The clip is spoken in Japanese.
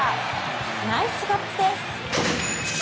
ナイスガッツです。